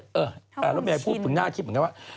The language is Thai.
รถเมย์พูดถึงหน้าคลิปเหมือนกันว่า